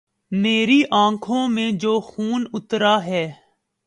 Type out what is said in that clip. میری آنکھوں میں جو خون اترا ہے